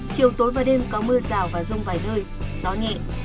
chiều tối và đêm có mưa rào và rông vài nơi gió nhẹ